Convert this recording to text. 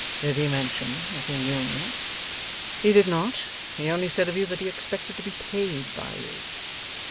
Did he mention that he knew me?' 'He did not. He only said of you that he expected to be paid by you.